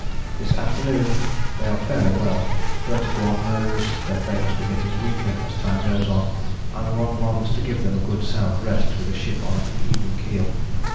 This afternoon they are fairly well, but one knows that they must be getting weaker as time goes on, and one longs to give them a good sound rest with a ship on an even keel.